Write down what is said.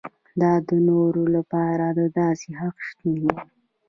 دا د نورو لپاره د داسې حق شتون دی.